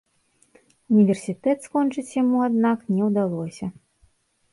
Універсітэт скончыць яму, аднак, не ўдалося.